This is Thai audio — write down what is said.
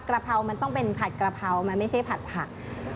กระเพรามันต้องเป็นผัดกระเพรามันไม่ใช่ผัดผัก